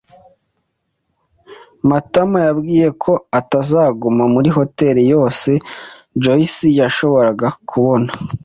Matama yambwiye ko atazaguma muri hoteri yose Joyci yashoboraga kubona.